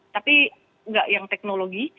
tapi nggak yang teknologi